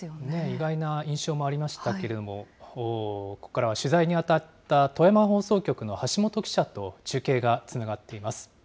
意外な印象もありましたけれども、ここからは取材に当たった富山放送局の橋本記者と中継がつながっています。